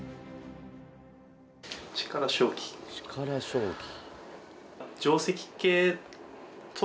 「力将棋」。